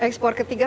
ekspor ketiga apa